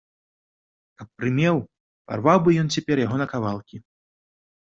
Каб прымеў, парваў бы ён цяпер яго на кавалкі.